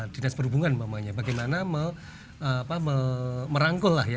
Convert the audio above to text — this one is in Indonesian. dinas perhubungan bagaimana